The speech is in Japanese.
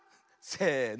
せの。